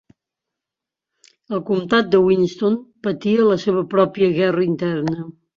El comtat de Winston patia la seva pròpia guerra interna.